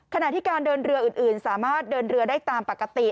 ขณะที่การเดินเรืออื่นสามารถเดินเรือได้ตามปกติ